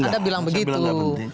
ada bilang begitu